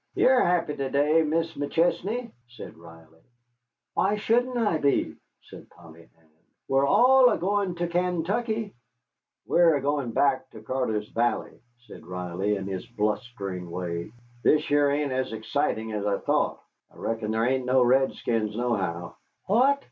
"Ye're happy to day, Mis' McChesney," said Riley. "Why shouldn't I be?" said Polly Ann; "we're all a goin' to Kaintuckee." "We're a goin' back to Cyarter's Valley," said Riley, in his blustering way. "This here ain't as excitin' as I thought. I reckon there ain't no redskins nohow." "What!"